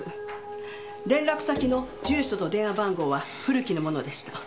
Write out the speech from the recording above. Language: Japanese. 連絡先の住所と電話番号は古木のものでした。